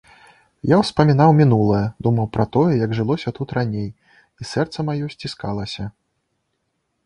Я ўспамінаў мінулае, думаў пра тое, як жылося тут раней, і сэрца маё сціскалася.